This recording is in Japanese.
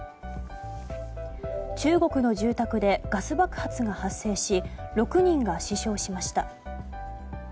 中国の住宅でガス爆発が発生し６人が死傷しました。